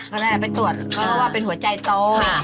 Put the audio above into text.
ก็แรกจะไปตรวจเขาว่าเป็นหัวใจโต